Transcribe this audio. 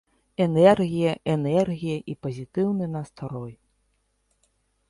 Энергія, энергія і пазітыўны настрой.